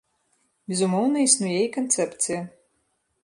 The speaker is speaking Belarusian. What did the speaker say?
Безумоўна, існуе і канцэпцыя.